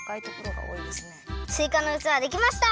すいかのうつわできました！